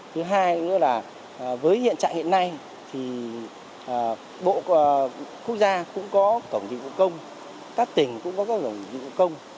thứ hai nữa là với hiện trạng hiện nay thì bộ quốc gia cũng có cổng dịch vụ công các tỉnh cũng có các cổng dịch vụ công